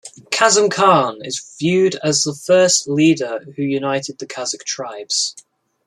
Kasym Khan is viewed as the first leader who united the Kazakh tribes.